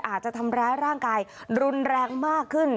อาจจะทำร้ายร่างกายรุนแรงมากขึ้น